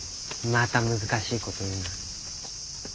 また難しいこと言うなあ。